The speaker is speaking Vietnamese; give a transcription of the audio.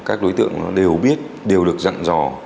các đối tượng đều biết đều được dặn dò